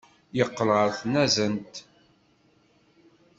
Yeqqel ɣer tnazent.